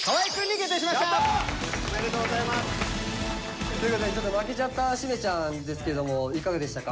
やった！おめでとうございます。ということで負けちゃったしめちゃんですけどもいかがでしたか？